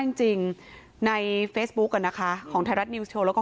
เยอะมากจริงในเฟซบุ๊คกันนะคะของไทยรัฐนิวส์โชว์แล้วก็